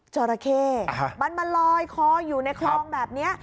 จราเข้มันมาลอยคออยู่ในคลองแบบนี้